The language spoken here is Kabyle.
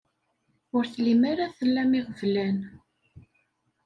Ur tellim ara tlam iɣeblan.